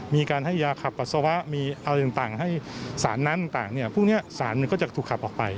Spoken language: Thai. มีการให้ยาขับปัสสาวะมีอะไรต่างให้สารนั้นต่างพวกนี้สารหนึ่งก็จะถูกขับออกไป